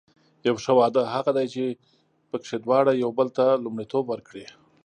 یو ښه واده هغه دی چې پکې دواړه یو بل ته لومړیتوب ورکړي.